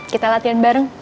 kita latihan bareng